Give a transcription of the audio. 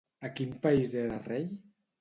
A quin país era rei?